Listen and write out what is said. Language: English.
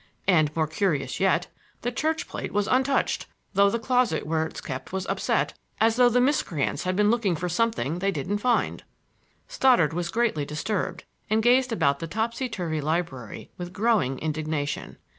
And more curious yet, the church plate was untouched, though the closet where it's kept was upset, as though the miscreants had been looking for something they didn't find." Stoddard was greatly disturbed, and gazed about the topsy turvy library with growing indignation.